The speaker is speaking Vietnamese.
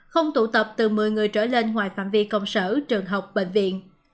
không tụ tập từ một mươi người trở lên ngoài phạm vi công sở trường học bệnh viện